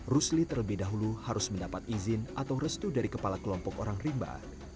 rusli terlebih dahulu harus mendapat izin atau restu dari kepala kelompok orang rimba